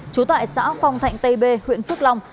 chú tại xã phong thạnh tây bê huyện phước long